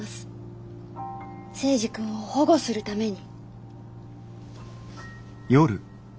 征二君を保護するために。